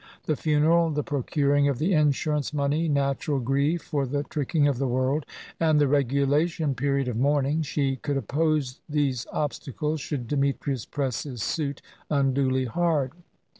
The funeral, the procuring of the insurance money, natural grief, for the tricking of the world, and the regulation period of mourning she could oppose these obstacles, should Demetrius press his suit unduly hard.